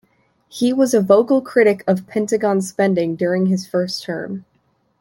He was a vocal critic of Pentagon spending during his first term.